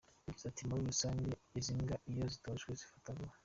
Yagize ati “Muri rusange izi mbwa iyo zitojwe zifata vuba.